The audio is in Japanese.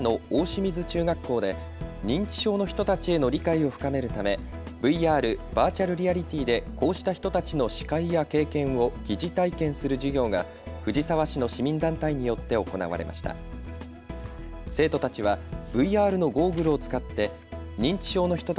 水中学校で認知症の人たちへの理解を深めるためＶＲ・バーチャルリアリティーでこうした人たちの視界や経験を疑似体験する事業が藤沢市の市民団体によって行われました。